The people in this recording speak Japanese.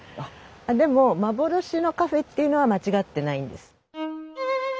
でも「幻のカフェ」っていうのは間違ってないんです。